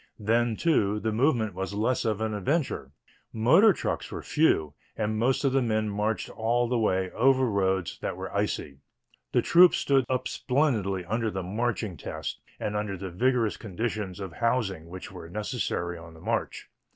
Then, too, the movement was less of an adventure. Motor trucks were few and most of the men marched all the way over roads that were icy. The troops stood up splendidly under the marching test and under the rigorous conditions of housing which were necessary on the march.